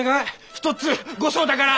一つ後生だから！